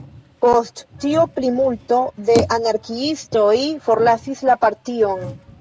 Post tio plimulto de anarkiistoj forlasis la partion.